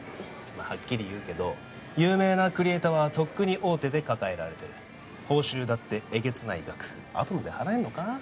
まあはっきり言うけど有名なクリエイターはとっくに大手で抱えられてる報酬だってえげつない額アトムで払えんのか？